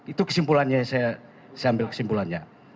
itu kesimpulannya saya ambil kesimpulannya